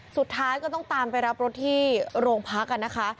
สุดท้ายก็ต้องตามไปรับรถที่โรงพักกันนะคะ